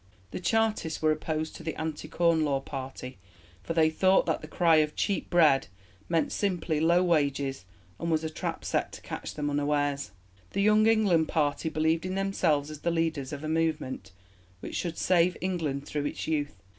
'" The Chartists were opposed to the Anti Corn Law party, for they thought that the cry of 'cheap bread' meant simply 'low wages,' and was a trap set to catch them unawares. The Young England party believed in themselves as the leaders of a movement which should save England through its youth.